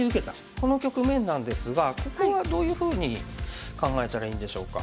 この局面なんですがここはどういうふうに考えたらいいんでしょうか。